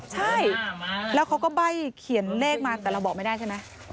ใช่แล้วเขาก็ใบ้เขียนเลขมาแต่เราบอกไม่ได้ใช่ไหม